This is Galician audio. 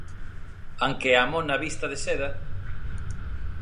Anque a mona vista de seda...